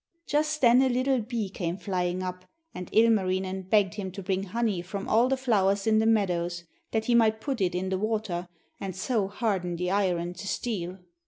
Just then a little bee came flying up, and Ilmarinen begged him to bring honey from all the flowers in the meadows, that he might put it in the water and so harden the iron to steel.